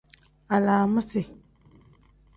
Alaamisi.